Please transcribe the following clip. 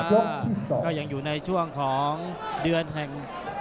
ก็ยังอยู่ในช่วงของเดือนแห่ง